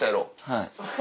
はい。